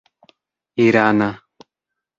irana